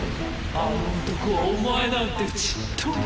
あの男はお前なんてちっとも。